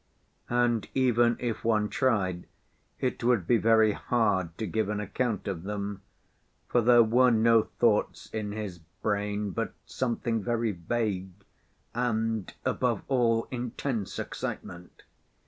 And even if one tried, it would be very hard to give an account of them, for there were no thoughts in his brain, but something very vague, and, above all, intense excitement.